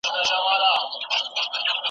په زحمت به یې ایستله نفسونه.